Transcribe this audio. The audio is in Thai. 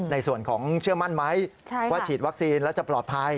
ในส่วนของเชื่อมั่นไหมว่าฉีดวัคซีนแล้วจะปลอดภัย